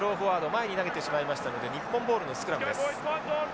前に投げてしまいましたので日本ボールのスクラムです。